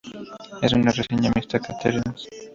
En una reseña mixta, Katherine St.